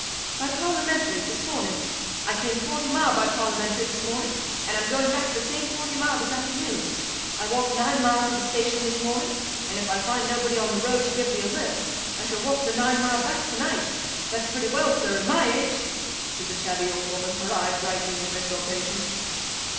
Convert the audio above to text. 'By Parliamentary, this morning. I came forty mile by Parliamentary this morning, and I'm going back the same forty mile this afternoon. I walked nine mile to the station this morning, and if I find nobody on the road to give me a lift, I shall walk the nine mile back to night. That's pretty well, sir, at my age!' said the chatty old woman, her eye brightening with exultation.